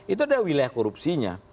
itu adalah wilayah korupsinya